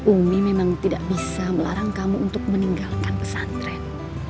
umi memang tidak bisa melarang kamu untuk meninggalkan pesantren